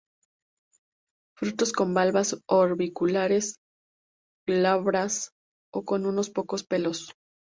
Frutos con valvas orbiculares, glabras o con unos pocos pelos.